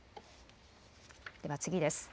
では次です。